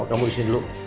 kamu disini dulu